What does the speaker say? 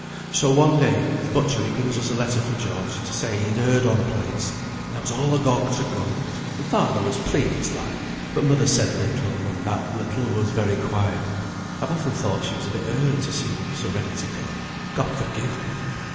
So, one day, th' butcher he brings us a letter fra George, to say he'd heard on a place and I was all agog to go, and father was pleased, like; but mother said little, and that little was very quiet. I've often thought she was a bit hurt to see me so ready to go God forgive me!